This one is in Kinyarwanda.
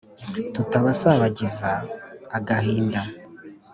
tutabasabagiza agahinda